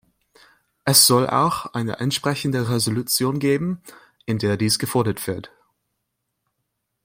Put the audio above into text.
Es soll auch eine entsprechende Resolution geben, in der dies gefordert wird.